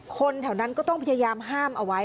คนแถวนั้นก็ต้องพยายามห้ามเอาไว้